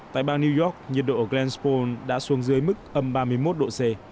tại bang new york nhiệt độ ở gransporld đã xuống dưới mức âm ba mươi một độ c